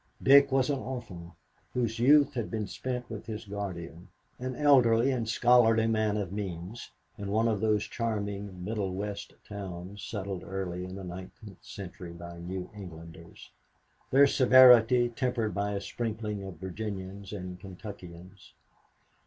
Dick was an orphan, whose youth had been spent with his guardian, an elderly and scholarly man of means, in one of those charming, middle west towns settled early in the nineteenth century by New Englanders, their severity tempered by a sprinkling of Virginians and Kentuckians.